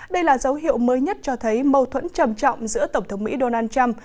đây là dấu hiệu mới nhất cho thấy mâu thuẫn trầm trọng giữa tổng thống mỹ donald trump